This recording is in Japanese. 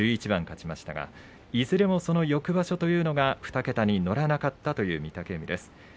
１１番勝ちましたがいずれもその翌場所というのは２桁に乗らなかったという御嶽海です。